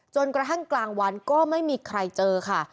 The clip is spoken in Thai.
จนกระทั่งกลางวันก็ไม่มีใครเจอค่ะ